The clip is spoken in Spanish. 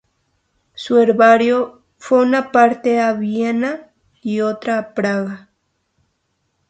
Su herbario, fue una parte a Viena y otra a Praga.